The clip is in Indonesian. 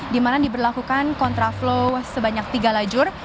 di mana diberlakukan kontraflow sebanyak tiga lajur